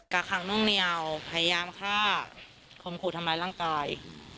กะขังม่วงเนี่ยวพยายามฆ่าคมขุทธรรมดาลังกาย